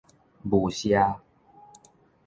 霧社